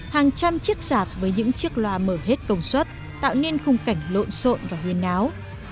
hàng trăm chiếc giạp với những chiếc loa mở hết công suất tạo nên khung cảnh lộn xộn và huyền áo